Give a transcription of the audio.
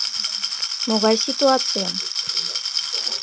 Могай ситуацийым?